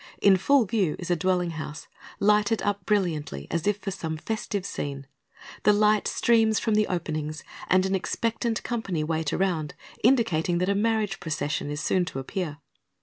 In full view is a dwelling house, lighted up brilliantly, as if for some festive scene. The light streams from the openings, and an expectant company wait around, indicating that a marriage procession is soon to appear.